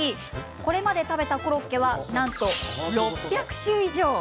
これまで食べたコロッケはなんと６００種以上。